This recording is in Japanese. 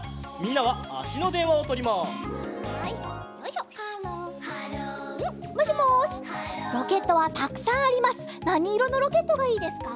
なにいろのロケットがいいですか？